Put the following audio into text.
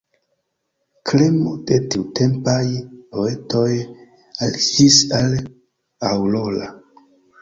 Kremo de tiutempaj poetoj aliĝis al Aurora.